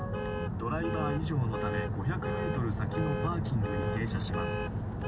ドライバー異常のため５００メートル先のパーキングに停車します。